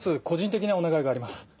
個人的なお願いがあります。